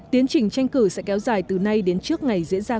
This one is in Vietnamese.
tiến trình tranh cử sẽ kéo dài từ nay đến trước ngày diễn ra